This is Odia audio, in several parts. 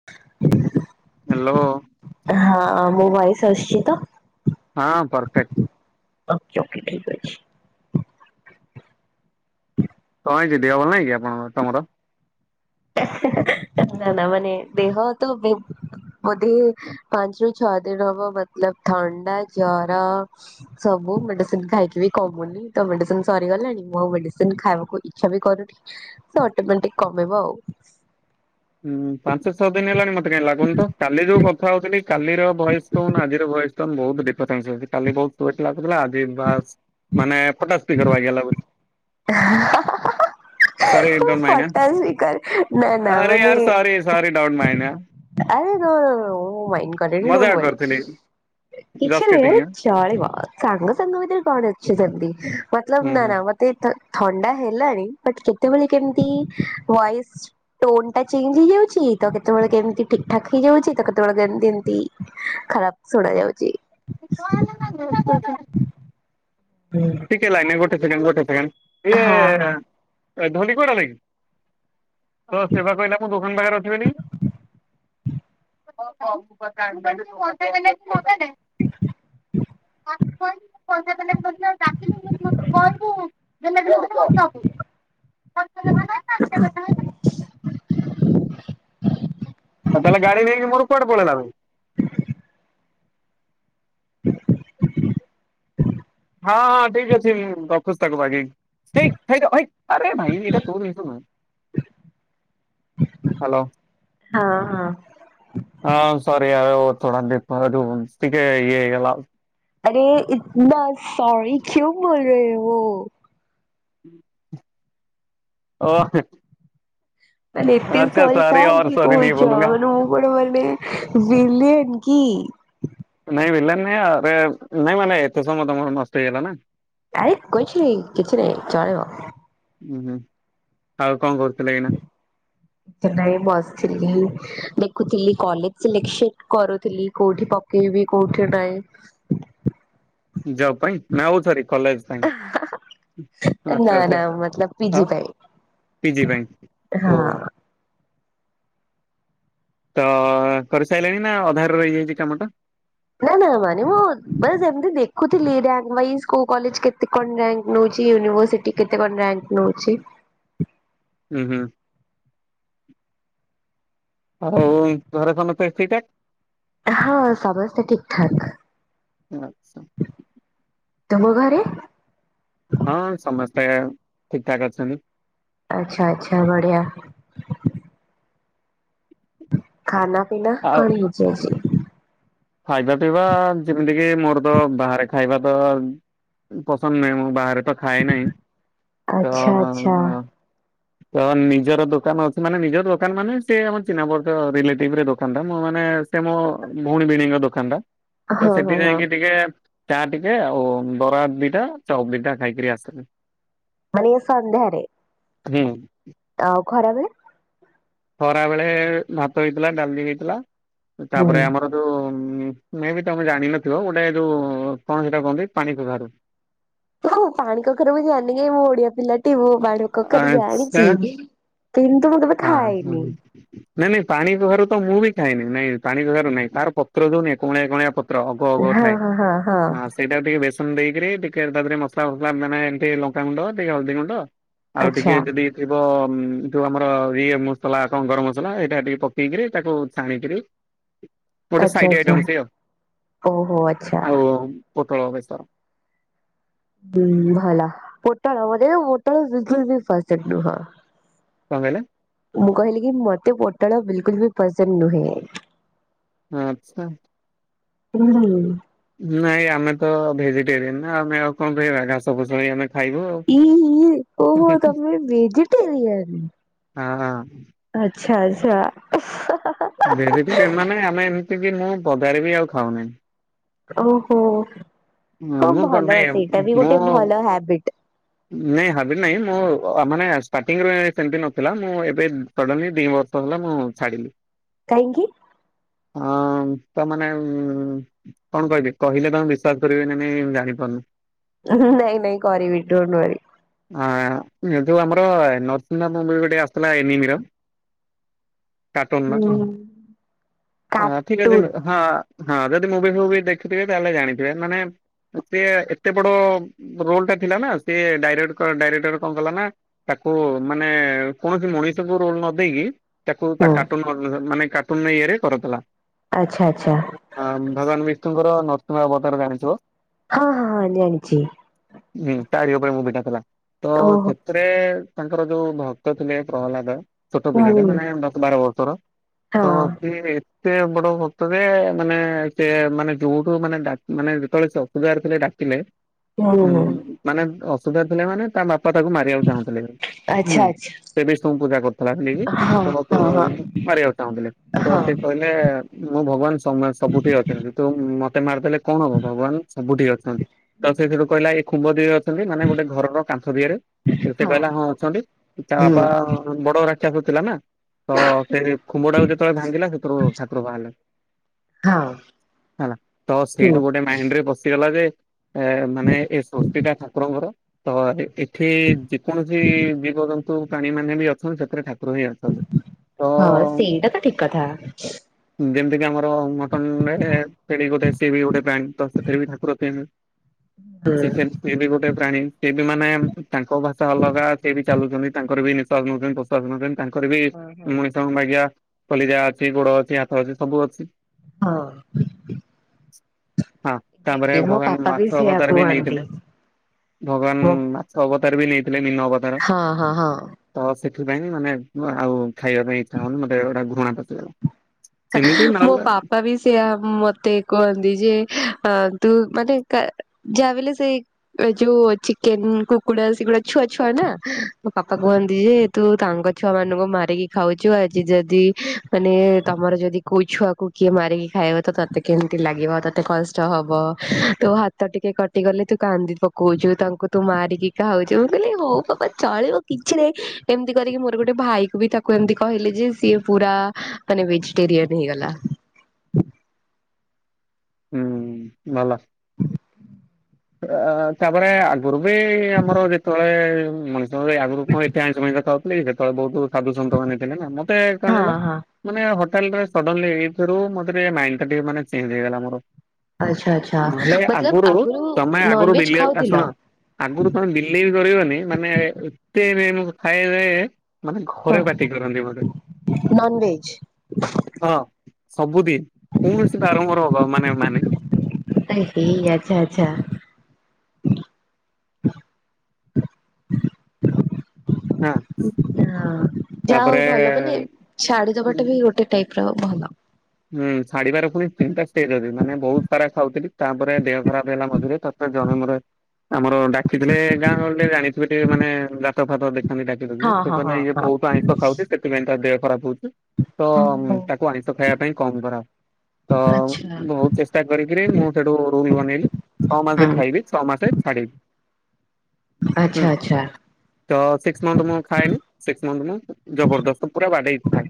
[inaudible] ହାଲୋ। ହଁ ମୁଁ ବାଇସ ଆସିଛି ତ ହଁ ପରର୍ଫେକ୍ଟ୍। ଓକେ ଓକେ ଠିକ ଅଛି। [inaudible] କଣ ହେଇଛି ଦେହ ଭଲ ନାହିଁ ଆପଣ ର ତମର? [inaudible] ନା ନା ମାନେ ଦେହ ତ ମୋଧେ ପାଞ୍ଚରୁ ଛଅ ଦିନ ହବ ମତଲବ ଥଣ୍ଡା ଜର ସବୁ ମେଡିସିନ ଖାଇକି ବି କମୁନି ତ ମେଡିସିନ ସରିଗଲାଣି ମୁଁ ମେଡିସିନ ଖାଇବାକୁ ଇଚ୍ଛା ବି କରୁନି। ସେ ଅଟୋମେଟିକ କମିବ ଆଉ। ହୁଁ, ପାଞ୍ଚ-ଛଅ ଦିନ ହେଲାଣି ମତେ କାଇଁ ଲାଗୁନ ତ କାଲି ଯୋଉ କ ହଉଥିଲି କାଲିର ଭଏସ ଟୋନ ଆଜିର ଭଏସ ଟୋନ ବହୁତ ଡିଫରେନ୍ସ ଅଛି। କାଲି ବହୁ ପଲା ଆଜି ବାସ୍ ମାନେ ଫଟା ସ୍ପିକର ବାଗିଆ ଲାଗୁଚି। ସରି ଡୋଣ୍ଟ ମାଇଣ୍ଡ ଆଁ ଫଟା ସ୍ପିକର ନା ନା ୟାର ମାନେ ସରି ସରି ଡୋନ୍ଟ ମାଇଣ୍ଡ ଆଁ। ଆରେ ନୋ- ନୋ - ନୋ ମୁଁ ମାଇଣ୍ଡ କରେନି ଡୋଣ୍ଟ ମଜାକ ୱରି। କରୁଥିଲି କିଛି ଜଷ୍ଟ ନହିଁ କିଡିଙ୍ଗ ୟାର ଚଳିବ। ସାଙ୍ଗ ସାଙ୍ଗ ଭିତରେ କଣ ଅଛି ସେମିତି ମତଲବ ହୁଁ ନାଁ ହୁଁ ନାଁ ଥଣ୍ଡା ହେଲାଣି ବଟ କେତେବେଳେ କେମିତି ଭଏସ ଟୋନ ଟା ଚେଞ୍ଜ ହେଇଯାଉଛି ତ କେତେବେଳେ କେମତି ଠିକ୍ ଠାକ୍ ହେଇଯାଉଛି ତ କେତେବେଳେ କେମିତି ଏମିତି ଖରାପ ଶୁଣା ଯାଉଛି। [inaudible] ହୁଁ। ଟିକେ ଲାଇନରେ ଗୋଟେ ସେକେଣ୍ଡ ଗୋଟେ ସେକେଣ୍ଡ ହଁ ହଁ ଇଏ ଧନଡି କୁଆଡେ ଗଲା କିି? ହଁ, ସେ ବା କହିଲା ମୁଁ ଦୋକାନ ପାଖରେ ଅଛି ବୋଲିକି। [unintelligible] [inaudible] କ ପଇସା [unintelligible] ଆଉ [unintelligible] [unintelligible] [unintelligible] ସଦାବେଳେ ଗାଡି ନେଇକି ମୋର କୁଆଡେ ପଳେଇଲା ବେ? ହଁ ହଁ ଠିକ ଅଛି ମୁଁ ରଖୁଛି ତାକୁ ବାଗେଇକି। ହେଇ ହେଇତ ହେଇ ଆରେ ଭାଇ ଏଇଟା ତୋ ଜିନିଷ ନୁହେଁ। ହାଲୋ। ହଁ ହଁ। ହଁ ସରି ଆଉ ଥୋଡ଼ା [unintelligible] ଟିକେ ଇଏ ହୋଇଗଲା ଆଉ। ଆରେ ଇତନା ସରି କିଉଁ ବୋଲ୍ ରହେ ହୋ? ହୁଁ। ଓ ହେଁ। ମାନେ ଏତେ ସରି ଅର୍ କାହିଁକି ସରି ନେହିଁ କୋହିଚ ବୋଲୁଙ୍ଗା। ନୁ କଣ ମାନେ ବିଲିୟନ କି? ନାଇଁ ଭିଲୟାନ ନୁହେଁ ଆରେ ନାଇଁ ମାନେ ଏତେ ସମୟ ତମର ନଷ୍ଟ ହେଇଗଲା ନା। ଆରେ [unintelligible] କିଛି ନାହି ଚଳିବ। ଉୁଁ ହୁଁ। ଆଉ କଣ କରୁଥିଲେ ଏଇନା? ନାଇଁ ବସିଥିଲି ଦେଖୁଥିଲି କଲେଜ ସିଲେକ୍ସନ କରୁଥିଲି କୋଉଠି ପ କେଇବି କୋଉଠି ଗୋଟାଏ? ଯବ୍ ପାଇଁ ନା ଆଉଥରେ କଲେଜ ପାଇଁ ନା ଆଚ୍ଛା ନା ଆଚ୍ଛା ମତଲବ ପିଜି ଆଉ ପାଇଁ ପିଜି ପାଇଁ ହଁ ଓ ତ କରିସାଇଲେଣି ନା ଅଧାରେ ରହିଯାଇଚି କାମଟା? ନାଁ ନାଁ ମାନେ ମୁଁ ମାନେ ସେମତି ଦେଖୁଥିଲି ରିୟାଙ୍କ ୱାଇଜ କୋଉ କଲେଜ କେତେ କଣ ଯାଇଁ ନଉଚି ୟୁନିଭର୍ସିଟି କେତେ କଣ ରିୟାଙ୍କ ନଉଚି? ହୁଁ ହୁଁ। ଆଉ ଘରେ ସମସ୍ତେ ଠିକ୍ ଠାକ୍? ହଁ ସମସ୍ତେ ଠିକ୍ ଠାକ୍। ତୁମ ଘରେ? ହଁ ସମସ୍ତେ ଠିକ୍ ଠାକ୍ ଅଛନ୍ତି। ଆଚ୍ଛା ଆଚ୍ଛା ବଢ଼ିଆ। ଖାନା ପିନା ଆଉ କଣ ହେଇଚି ଆଜି? ଖାଇବା ପିଇବା ଯେମିତିକି ମୋର ତ ବାହାରେ ଖାଇବା ତ ପସନ୍ଦ ନାହିଁ ମୁଁ ବାହାରେ ତ ଖାଏ ନାହିଁ ତ ଆଚ୍ଛା ଆଚ୍ଛା ତ ନିଜର ଦୋକାନ ଅଛି ମାନେ ନିଜର ଦୋକାନ ମାନେ ସେ ଆମ ଚିହ୍ନା ପରିଚୟ ରିଲେଟିଭରେ ଦୋକାନ ଟା ମୁଁ ମାନେ ସେ ମୋ ଭଉଣୀ ଭିଣେଇଙ୍କ ଦୋକାନ ଟା ତ ହଁ ହଁ ସେଠି ହଁ ଯାଇଁକି କି ଟିକେ ଚା ଟିକେ ଆଉ ବରା ଦିଟା ଚପ୍ ଦିଟା ଖାଇକିରି ଆସିଲି। ମାନେ ଇଏ ସନ୍ଧ୍ୟାରେ? ହୁଁ। ଆଉ ଖରାବେଳେ? ଖରା ବେଳେ ଭାତ ହେଇଥିଲା ଡାଲି ହେଇଥିଲା ହୁଁ ତାପରେ ଆମର ଯୋଉ ମେ ବି ତମେ ଜାଣିନଥିବ ଗୋଟେ ଯୋଉ କଣ ସେଇଟା କୁହନ୍ତି ପାଣି କଖାରୁ। [unintelligible] ପାଣି କଖାରୁ ମୁଁ ଜାଣିନେଇ କାଇଁ ମୁଁ ଓଡିଆ ପିଲାଟି ମୁଁ ପାଣି କଖାରୁ ଆଚ୍ଛା ଜାଣିଚି। କିନ୍ତୁ ମୁଁ କେବେ ହଁ ହୁଁ ଖାଇନି। ନାଇଁ ନାଇଁ ପାଣି ପାଖାରୁ ତ ମୁଁ ବି ଖାଇନି ନାଇ ପାଣିକଖାରୁ ନାଇଁ ତାର ପତ୍ର ଯଉ ନାଇଁ କଅଁଳିଆ କଅଁଳିଆ ପ ତ୍ର ଅଗ ଅଗ ହଁ ଥାଏ ହଁ ହଁ ହଁ ଏ ସେଇଟାକୁ ଟିକେ ବେଶ ନ୍ ଦେଇକିରି ଟିକେ ତା ଦେହରେ ମସଲା ଫସଲା ମାନେ ଏମିତି ଲଙ୍କା ଗୁଣ୍ଡ ଟିକେ ହଳଦୀ ଗୁଣ୍ଡ ଆଉ ଟିକେ ଆଚ୍ଛା। ଯଦି ଥିବ ଯୋଉ ଆମ ର ଇଏ ମସଲା ଙ୍କ ଗରମ ମସଲା ଏଇଟା ଟିକେ ପକେଇକିରି ତାକୁ ଛାଣିକିରି ଗୋଟେ ଆଚ୍ଛା ସାଇଟ୍ ଆଚ୍ଛା ଆଇଟମ୍ ସିଏ ଓହୋ ଆଚ୍ଛା ଆଉ ଆଉ ପୋଟଳ ବେଶର। ହୁଁ ଭଲ ପୋଟଳ ମତେ ପୋଟଳ ବିଲକୁଲ୍ ବି ପସନ୍ଦ ନୁହଁ। କଣ କଇଲେ? ମୁଁ କହିଲି କି ମୋତେ ପୋଟଳ ବିଲକୁଲ ବି ପସନ୍ଦ ନୁହେଁ ଆଛା ହୁଁ ନାଇଁ ଆମେ ତ ଭେଜିଟେରିଆନ ନା ଆମେ ଆଉ କଣ କହିବା ଘାସ ଫାସ ହୋଇ ଗଲାଣି ଇଇ ଓହୋ ତମେ ଭେଜିଟେରିୟନ ହଁ ହଁ ଆଛା ଆଛା ହା ହା ଭେଜିଟେରିୟାନ୍ ମାନେ ଆମେ ଏମିତିକି ମୁଁ ବଜାରୁ ବି ଆଉ ଖାଉନାହିଁ ଓହୋ ହ ମୁଁ କଣ ଭଲ ନାଇଁ ସେଇଟା ବି ମୁଁ ଗୋଟେ ଭଲ ହାବିଟ ନାଇଁ ହାବି ନାଇଁ ମୁଁ ମାନେ ଷ୍ଟାର୍ଟିଂରେ ସେମିତି ନଥିଲା ମୁଁ ଏବେ ସଡନଲି ଦି ବର୍ଷ ହେଲା ମୁଁ ଛାଡିଲି କହିଁକିି? ହଁ ତା ମାନେ ଉ କଣ କହିବି କହିଲେ ତମେ ବିଶ୍ଵାସ- କରିବେ କି ନାଇଁ ଜାଣି ପାରୁନି ନାଇଁ ନାଇଁ କରିବି ଡଣ୍ଟ ଓରି ହଁ ଯେହେତୁ ଆମର ନର୍ଥ ଇଣ୍ଡିଆ ମୁଭି ଗୋଟେ ଆସିଥିଲା ଏନିରମ୍ କାର୍ଟୁନ ହୁଁ ମା ଠିକ ଅଛି କାର୍ଟୁନ ହଁ [unintelligible] ହଁ ଯଦି ମୁଭି ଫୁଭି ଦେଖୁଥିବେ ତାହେଲେ ଜାଣିଥିବେ ମାନେ ସେ ଏତେ ବଡ ରୋଲ ଟା ଥିଲା ନା ସେ ଡାଇରେକ୍ଟ ଡାଇରେକ୍ଟର କଣ କଲା ନା ତାକୁ ମାନେ କୌଣସି ମଣିଷକୁ ରୋଲ ନ ଦେଇକି ତାକୁ ହଁ ତା କାର୍ଟୁନ ମାନେ କାର୍ଟୁନ ଇଏ ରେ କରୁଥିଲା ଆଚ୍ଛା ଆଚ୍ଛା ଅ ଭଗବାନ ବିଷ୍ଣୁଙ୍କର ନୃସିଂହ ଅବତାର ଜାଣିଥିବ ହଁ ହଁ ଜାଣିଛି ହୁଁ ତାରିି ଉପରେ ମୁଭିଟା ଥିଲା ତ ଓହୋ ସେ - ରେ ତାଙ୍କର ଯୋଉ ଭକ୍ତ ଥିଲେ ପ୍ରହଲ୍ଲାଦ ଛୋଟ ପିଲାଟେ ହୁଁ ମାନେ ଦଶ ବାର ବର୍ଷର ହଁ ସିଏବି ସେ ବଡ ଭକ୍ତରେ ମାନେ ସେ ମାନେ ଯୋଉଠୁ ମାନେ ମାନେ ଯେତେବେଳେ ସେ ଅସୁବିଧା ଥିଲେ ଥିଲେ ହୁଁ ହୁଁ ଉଁ ମାନେ ଅସୁବିଧା ଥିଲେ ମାନେ ତା ବାପା ତାକୁ ମାରିବାକୁ ଚାହୁଁଥିଲେ ହୁଁ ଆଚ୍ଛା ଆଚ୍ଛା ସେ ବିଷ୍ଣୁଙ୍କୁ ପୂଜା କରୁଥିଲା ବିକି ହଁ ତ ହଁ ମାରିବାକୁ ଚାହୁଁଥିଲେ ତ ହଁ ହଁ ସେ। କହିଲେ ମୁଁ ଭଗବାନ ସବୁଠି ଅଛନ୍ତି ତୁ ମତେ ମାରିଦେଲେ କଣ ହବ ଭଗବାନ। ସବୁଠି ଅଛନ୍ତି ତ ସେଥିରୁ କହିଲା ଏ ଖୁମ୍ବ ଦେହରେ ଅଛନ୍ତି ମାନେ ଗୋଟେ। ଘରର କାନ୍ଥ ଦିହରେ, ସେ ସେ କହିଲା ହଁ ଅଛନ୍ତି ତା ହୁଁ ବାପା ବଡ ରାକ୍ଷସ ଥିଲାନା। ତ ସେ ଖୁମ୍ବ ଟାକୁ ଯେତେବେଳେ ଭାଙ୍ଗିଲା ସେଥିରୁ ଠାକୁର ବାହାରିଲେ ହଁ। ହେଲା ତ ହୁଁ ସେଇଠୁ ଗୋଟେ। ମାଇଣ୍ଡରେ ପସିଗଲା ଯେ ଏ ମାନେ ଏ ସୃଷ୍ଟିଟା ଠାକୁରଙ୍କର ତ [unintelligible] ଏଠି ଯେକୌଣସି ଜୀବଜନ୍ତୁ ପ୍ରାଣୀ ମାନେ ବି ଅଛନ୍ତି ସେଥିରେ ଠାକୁର ହିଁ ଅଛନ୍ତି। ତ ହଁ ସେଇଟା ତ ଠିକ କଥା। ଯେମିତି କି ଆମର। [unintelligible] ଏ ବି ଗୋଟେ ପ୍ରାଣୀ। ସିଏ ବି ମାନେ ତାଙ୍କ ଭାଷା ଅଲଗା ସିଏବି ଚାଲୁଛନ୍ତି ତାଙ୍କର ବି ନିଶ୍ୱାସ ନଉଛନ୍ତି ପ୍ରଶ୍ୱାସ ନଉଛନ୍ତି। ତାଙ୍କର ବି ହଁ ହଁ ମଣିଷ ଭଳିଆ କଲିଜା ଅଛି ଗୋଡ ଅଛି ହାତ ଅଛି ସବୁ ଅଛି। ହଁ। ହଁ ତାପରେ ଏକ୍ଜାକ୍ଟଲି ମୋ ଭଗବାନ ପାପା ବି ମାଛ ସେଇଆ ଅବତାର ବି କୁହନ୍ତି ନେଇଥିଲେ। ମୋ ଭଗବାନ ମାଛ ଅବତାର ବି ନେଇଥିଲେ ମୀନ ଅବତାର। ହଁ ହଁ ହଁ। ତ ସେଥିପାଇଁ ମାନେ ଆଉ ଖାଇବା ପାଇଁ ଇଚ୍ଛା ହଉନି ମୋତେ ଗୋଟା ଘୃଣା ପଶିଗଲା। ସେମିତି ମୋ ନହେଲେ ପାପା ବି ସେଆ ମତେ କୁହନ୍ତି ଯେ ତୁ ମାନେ ଯାହା ବଲେ ସେ ଏ ଯୋଉ ଚିକେନ କୁକୁଡା ସେଗୁଡା ଛୁଆ ଛୁଆ ନା ମୋ ବାପା କୁହନ୍ତି ଯେ ତୁ ତାଙ୍କ ଛୁଆ ମାନଙ୍କୁ ମାରିକି ଖାଉଛୁ ଆଜି ଯଦି ମାନେ ତମର ଯଦି କୋଉ ଛୁଆକୁ କିଏ ମାରିକି ଖାଇବ ତ ତତେ କେମିତି ଲାଗିବ ତୋତେ କଷ୍ଟ ହବ ତ ତ ଟିକେ କଟିଗଲେ ତୁ କାନ୍ଦି ପକଉଛୁ ତାଙ୍କୁ ତୁ ମାରିକି ଖାଉଛିୁ ମୁଁ କହିଲି ହଉ ବାପା ଚଳିବ କିଛିରେ ଏମିତି କରିକି ମୋର ଗୋଟେ ଭାଇ କ ବି ତାକୁ ଏମତି କହିଲେ ଯେ ସିଏ ପୁରା ମାନେ ଭେଜିଟେରିୟନ୍ ହେଇଗଲା। ହୁଁ ଭଲ। [inaudible] ଅ ତାପରେ ଆଗରୁ ବି ଆମର ଯେତେବେଳେ ମଣିଷ। ସେତବେଳେ ଆଗରୁ କଣ ଏଇଠି ଆଞ୍ଚ ପାଇଁା ଖାଉଥିଲି ସେତେବେଳେ ବହୁତ ସାଧୁ ସନ୍ତ ମାନ ଥିଲେ ନା ମତେ କଣ ହେଲା। ମାନେ ହୋଟେଲଲିରୁ ମ ଟିକେ ଚଞ୍ ହେଇଗଲା ମୋର। ଆଚ୍ଛା ଆଚଛା ନହେଲେ ମତଲବ ଆଗରୁ ତମେ ଆଗରୁ ନନଭେଜ ବିଲିଆ ଶୁଣ ଖାଉଥିଲ? ଆଗରୁ ତୁମେ ବିଲିବ୍ ବି କରିବନି ମାନେ ଏତେ ଖଏ। ମାନେ ଘରେ ବାଟି କରନ୍ତି ମୋତେ। ନନଭେଜ୍। ହଁ ସବୁଦିନ କୌଣସି ବାରମ୍ଭର ହବ ମାନେ ମାନେନି। ସେଇ ଆଚ୍ଛା ଆଚ୍ଛା‌‌। ହଁ। ହଁ ଯାହା ତାପରେ ହଉ ଭଲ ମାନେ ଛାଡ଼ି ଦବାଟା ବି ଗୋଟେ ଟାଇପ ର ଭଲ। ହୁଁ ଶାଢିବାର ପୁଣି ତିନିଟା ଷ୍ଟେଜ୍ ଅଛି ମାନେ ବହୁତ ପାରା ଖାଉଥିଲି ତାପରେ ଦେହ ଖରାପ ହେଲା ମଝିରେ ତ ଜଣ ଆମର ଡାକତ୍ ସେଥିଲେ ଗାଁ ଗେ ଜଣିଥିବେ ଟିକେ ମାନେ ଗାତ ଫାତ ଦେଖନ୍ତି ଡାକିଡକି ହଁ ସେ ହଁ କିଲ ହଁ ଇଏ ହଁ। ବହୁତ ଆ। ଖାଉଛି ସେଥିପାଇଁ ତା ଦେହ ଖରାପ ହଉଛି ତ ଓହୋ ତାକୁ ଆଇଁଷ ଖାଇବା ପାଇଁ କମ କରାଓ। ତ ଆଚ୍ଛା ବହୁତ ଚେଷ୍ଟା କରିକିରି ମୁଁ ସେଠୁ ରୁ ବନେଇଲି ଛଅ ମାସ ହୁଁ ଖାଇବି ଛ ମାସେ ଛଡ଼ିବି। ଆଚ୍ଛା ଆଚଛା। ତ ସିକ୍ସ ମନ୍ଥ ମୁଁ ଖାଏନି ସିକ୍ସ ମନ୍ଥ ମୁଁ ଜବରଦସ୍ତ ପୁରା ବାଡେଇ ଥାଏ।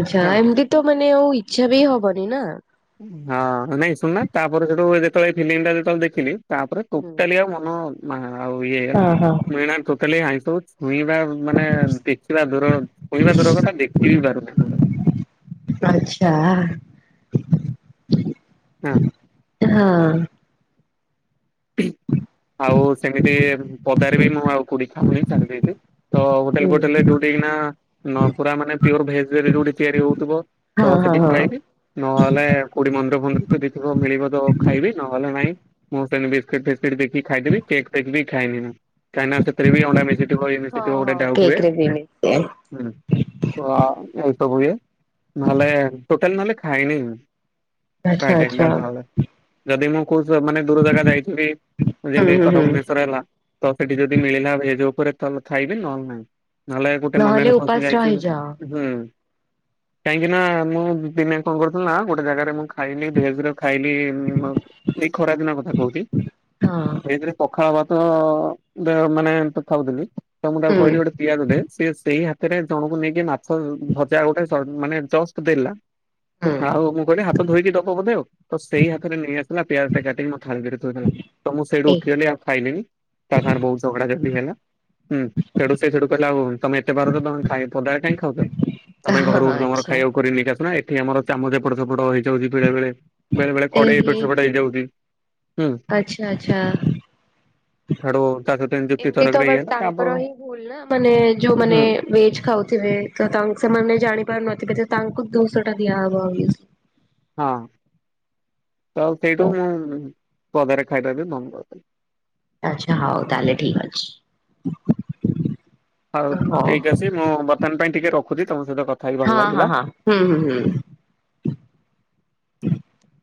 ଆ୍ଛା ଏମିତି ତ ମାନେ ଆଉ ଇଚ୍ଛା ବି ହବନି ନା। ହଁ ନାଇଁ ଶୁଣ ନା ତାପରେ ସେଠୁ ଯେତେବେଳେ ଫିଲ୍ମ ଟା ଯେତେବେଳେ ଦେଖିଲି ତାପରେ ହୁଁ। ଟୋଟାଲି ଆଉ ହ ଆଉ ଇଏ ହେଲା ହଁ ହଁ। ମଣ ତୋତାଲି ଆଈଁଷ ହେଉ ୁଇଁବା ମାନେ ଦେଖିବା ଦୂର ୁଇଁବା ଦୂର କଥା ଦେଖିବି ପାରୁନ। ଆଛା। ହଁ ହଁ। ଆଉ ସେମିତି ପଦାରେ ବି ମୁଁ ଆଉ କୋଡି ଖାଉନି ଛାଡି ଦେଇଛି। ତ ହୋଟେଲ ହୁଁ ଫୋଟେଲରେ ଯୋଉଠିକିନା ପୁରା ମାନେ ପିଓର ଭେଜ ଯୋଉଠି ତିଆରି ହଉଥିବ। ହଁ ତ ହଁ ସେଠି ହଁ। ଖାଇବି। ନହେଲେ କେଉଁଠି ମନ୍ଦିର ଫନ୍ଦିର ତ ଦେଇଥିବ ମିଳିବ ତ ଖାଇବି ନହେଲେ ନାହିଁ। ବିସ୍କୁଟ ଫିସ୍କେଟ ଦେଖି ଖାଇଦେବି। କେକ୍କ୍ ଫେକ୍ ବି ଖାଇନି ମୁଁ। ସେଥିରେ ଅଣ୍ଡା ମିଶି ହଁ ହଁ କେକ୍ ରେ ବି ମିଶେ [inaudible] ନହେଲେ ଟୋଟାଲ ନହେଲେ ଖାଇନି ଆଚ୍ଛା ପ୍ରାୟ ଟାଈମ୍ ଆଚ୍ଛା [inaudible] ଯଦି ମୁଁ ଖୁସି ମାନେ ଦୂର ଜାଗା ଯାଇଥିବି। ହୁଁ ଯେମିତି ହୁଁ କଟକ ହୁଁ ଭୁବନେଶ୍ୱର ହେଲା ତ ସେଠି ଯଦି ମିଳିଲା ଭେଜ ଉପରେ ଖାଇବି ନହେଲେ ନାହିଁ। ନହେଲେ ଗୋଟେ ନହେଲେ ମୋନରେ ଉପାସ ପଶି ଯାଇଛି। ରହିଯାଅ। ହୁଁ। କାହିଁକି ନା ମୁଁ ଦିନେ କଣ କରୁଥିଲି ନା ଗୋଟେ ଜାଗାରେ ମୁଁ ଖାଇଲି ଭେଜର ଖାଇଲି ଏ ଖରା ଦିନ କଥା କହୁଛି। ହଁ ସେଈଥିରେ ପ ପଖାଳ ଭାତ ମାନେ ତ ଥାଉଥିଲି ତ ମୁଁ ତାକୁ କହିଲି ହଁ ଗୋଟେ ପିଆଜ ଟେ। ସେ ସେଇ ହାତରେ ଜଣକୁ ନେଇକି ମାଛ ଭଜା ଗୋଟେ ମାନେ ଜଷ୍ଟ ଦେଲା ଆଉ ମୁଁ କହିଲି ହାତ ଧୋଇକି ଦବ ବୋଧେ। ତ ସେଇ ହାତରେ ନେଇ ଆସିଲା ପିଆଜଟା କାଟି ଥାଲିଦିରେ ଥୋଈଦେଲା। ତ ମୁଁ ସେଇଠୁ ଏହି ଉଠିଗଲି ଆଉ ଖାଇଲିିନି। ତା ସାଙ୍ଗରେ ବହୁତ ଝଗଡା ଝାଣ୍ଟି ହେଲା। ହୁଁ। ସେଠୁ ସେ ସେଠୁ କହିଲା ଆଉ ତମେ ଏତେ ପାର ତମେ ଖାଇ ପଦାରେ କାଇଁ ଖାଉଛ? ତମେ ହଁ ଘରରୁ ତମର ଆଚ୍ଛା ଖାଇବାକୁ କରେଈ ନେଇିକା ଆସୁନା। ଏଠି ଆମର ଚାମଚ ଏପଟ ସେପଟ ହେଇଯାଉଛି ବେଳେ ବେଳେ। ବେଳେ ବେଳେ କଡ଼େଇ ଏପଟ ସେପଟ ହେଇଯାଉଛି। ହୁଁ ଆଛା ଆଛା। ସେଠୁ ତା ସହିତ ଏମିତି ଯୁକ୍ତି ଏମତି ତ ତରକରେ ଇଏ ବଟ୍ ହେଲା ତାଙ୍କର ତାପରେ ହିଁ ଭୁଲ୍ ନା। ମାନେ ଯୋଉମାନେ ହୁଁ ଭେଜ୍ ଖାଉ ଥିବେ ତ ତା ସେମାନେ ଜାଣିପାରୁନଥିବେ ତାଙ୍କୁ ଦୁଶଟା ଦିଆହବ ହଁ। ତ ସେଇଠୁ ମୁଁ ପଦାରେ ଖାଇବା ବି ବନ୍ଦ କରିିଦେଲି। ଆଚ୍ଛା ହଉ ତାହେଲେ ଠିକ୍ ଅଛି। ହଉ ଠିକ୍ ଅଛି। ମୁଁ ବର୍ତ୍ତମାନ ପାଇଁ ଟିକେ ରଖୁଛି ତମ ସହିତ କ ହଁ ହଁ ହଁ। ହୁଁ ହୁଁ ହୁଁ। [inaudible]